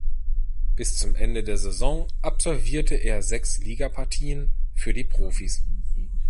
Bis zum Ende der Saison absolvierte er sechs Ligapartien für die Profis.